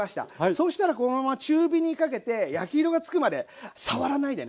そしたらこのまま中火にかけて焼き色がつくまで触らないでね